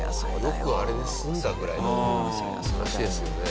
よくあれで済んだぐらいの話ですよね。